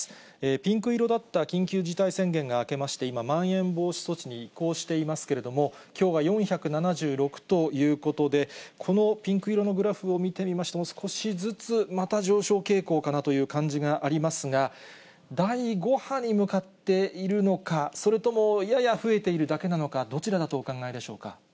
ピンク色だった緊急事態宣言が明けまして、今、まん延防止措置に移行していますけれども、きょうは４７６ということで、このピンク色のグラフを見てみましても、少しずつまた上昇傾向かなという感じがありますが、第５波に向かっているのか、それともやや増えているだけなのか、どちらだとお考えでしょうか。